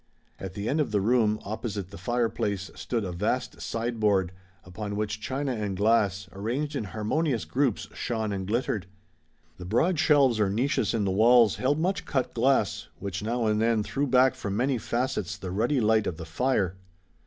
At the end of the room, opposite the fireplace, stood a vast sideboard, upon which china and glass, arranged in harmonious groups, shone and glittered. The broad shelves or niches in the walls held much cut glass, which now and then threw back from many facets the ruddy light of the fire.